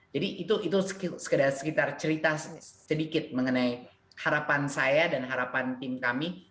jadi itu sekedar cerita sedikit mengenai harapan saya dan harapan tim kami